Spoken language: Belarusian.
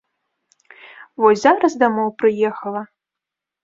Вось зараз дамоў прыехала.